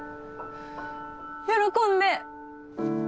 喜んで！